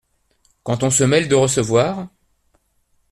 Quand on se mêle de recevoir !